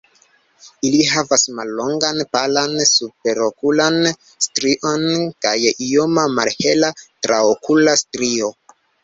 Ili havas mallongan palan superokulan strion kaj ioma malhela traokula strio.